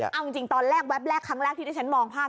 เอาจริงตอนแรกแวบแรกครั้งแรกที่ที่ฉันมองภาพ